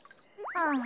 ああ。